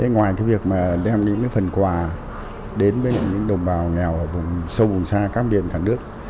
ngoài việc đem những phần quà đến với những đồng bào nghèo ở sâu vùng xa các miền cả nước